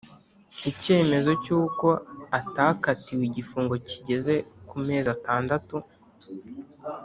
icyemezo cy’uko atakatiwe igifungo kigeze ku mezi atandatu